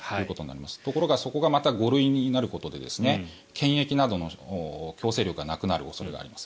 ところがそこがまた５類になることで検疫などの強制力がなくなる恐れがあります。